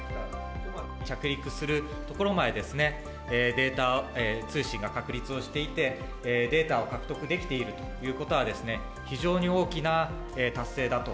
着陸するところまでですね、データ、通信が確立をしていて、データを獲得できているということはですね、非常に大きな達成だと。